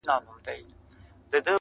بې پروا سي بس له خپلو قریبانو،